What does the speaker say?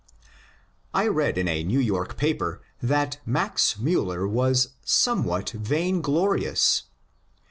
I read in a New York paper that Max Miiller was ^^ some what vainglorious.